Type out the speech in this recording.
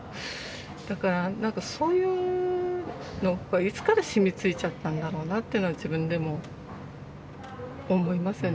だから何かそういうのいつから染みついちゃったんだろうなっていうのは自分でも思いますよね。